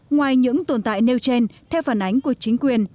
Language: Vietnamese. ngoài những tồn tại nêu trên theo phản ánh của chính quyền